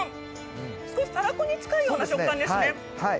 少したら子に近いような食感ですね。